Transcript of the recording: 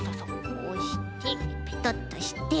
こうしてペタッとして。